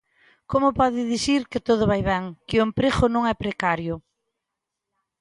¿Como pode dicir que todo vai ben, que o emprego non é precario?